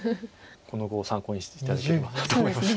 この碁を参考にして頂ければなと思います。